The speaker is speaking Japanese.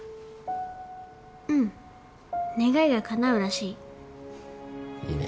うん願いがかなうらしい。